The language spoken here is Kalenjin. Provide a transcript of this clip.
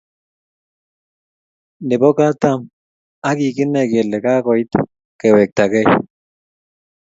Nebo katam ak kikinai kele kakoit kewektakei